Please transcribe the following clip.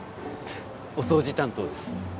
お掃除担当です